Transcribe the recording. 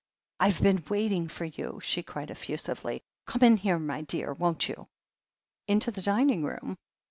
"Fve been waiting for you!" she cried effusively. "Come in here, my dear, won't you ?" "Into the dining room